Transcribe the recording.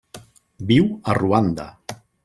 Viu a Ruanda.